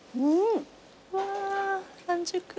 うわ半熟。